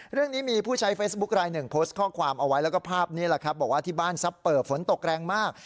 เรื่องนี้มีผู้ใช้เฟซบุ๊คลายหนึ่งโพสต์ข้อความเอาไว้แล้วก็ภาพนี้แหละครับบอกว่าที่บ้านซับเปิบฝนตกแรงมาก